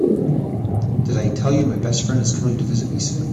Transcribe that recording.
Did I tell you my best friend is coming to visit me soon?